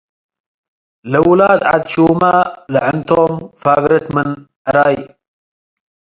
ለውላድ ዐድ ሹማ - ለዕንቶም ፋግረት ምን ዕራይ